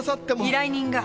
依頼人が。